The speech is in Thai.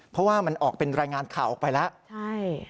เพราะว่ามันออกเป็นรายงานข่าวออกไปแล้วใช่